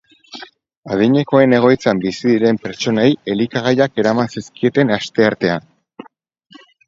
Adinekoen egoitzan bizi diren pertsonei elikagaiak eraman zizkieten asteartean.